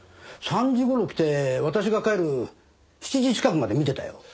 ３時頃来て私が帰る７時近くまで見てたよ。